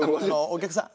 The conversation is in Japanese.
お客さん